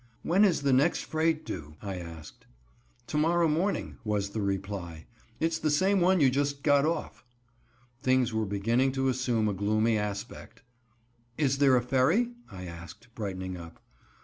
"When is the next freight due?" I asked. "To morrow morning," was the reply, "it's the same one you just got off." Things were beginning to assume a gloomy aspect. "Is there a ferry?" I asked, brightening up.